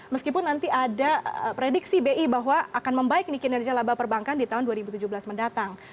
meskipun nanti ada prediksi bi bahwa akan membaik kinerja laba perbankan di tahun dua ribu tujuh belas mendatang